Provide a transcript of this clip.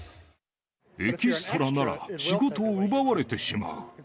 エキストラなら仕事を奪われてしまう。